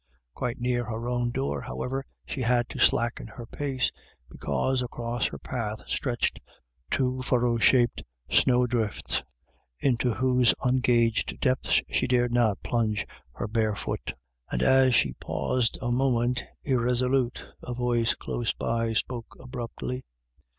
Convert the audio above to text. Quite near her own door, however, she had to slacken her pace, because across her path stretched two furrow shaped* snow drifts, into whose un gauged depths she dared not plunge her bare foot And as she paused a moment irresolute, a voice close by spoke abruptly.